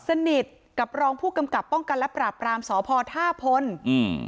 สนิทกับรองผู้กำกับป้องกันและปราบรามสพท่าพลอืม